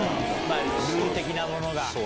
ルール的なものが。